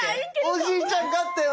おじいちゃん勝ったよ